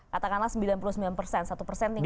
katakanlah sembilan puluh sembilan persen satu persen